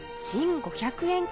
新５００円？